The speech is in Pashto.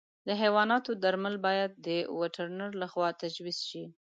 د حیواناتو درمل باید د وترنر له خوا تجویز شي.